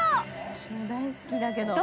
私も大好きだけど。